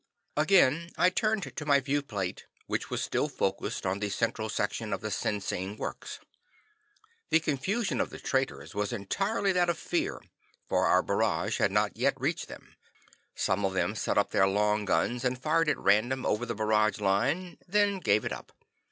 Again I turned to my viewplate, which was still focussed on the central section of the Sinsing works. The confusion of the traitors was entirely that of fear, for our barrage had not yet reached them. Some of them set up their long guns and fired at random over the barrage line, then gave it up.